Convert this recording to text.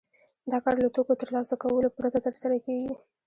دا کار له توکو ترلاسه کولو پرته ترسره کېږي